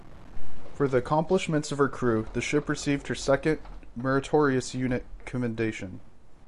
For the accomplishments of her crew, the ship received her second Meritorious Unit Commendation.